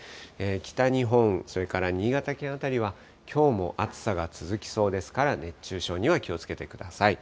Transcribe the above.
北日本、それから新潟県辺りは、きょうも暑さが続きそうですから、熱中症には気をつけてください。